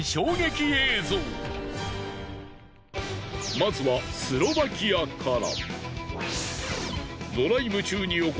まずはスロバキアから。